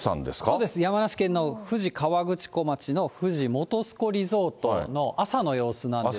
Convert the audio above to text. そうです、山梨県の富士河口湖町の富士本栖湖リゾートの朝の様子なんですが。